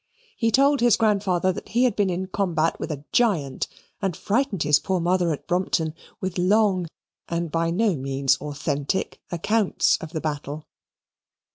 He told his grandfather that he had been in combat with a giant, and frightened his poor mother at Brompton with long, and by no means authentic, accounts of the battle.